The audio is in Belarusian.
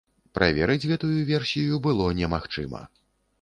Праверыць гэтую версію было не магчыма.